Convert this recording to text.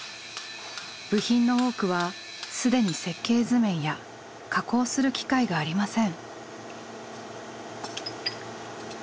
部品の多くは既に設計図面や加工する機械がありません。